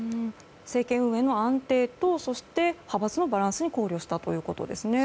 政権運営の安定とそして派閥のバランスに考慮したということですね。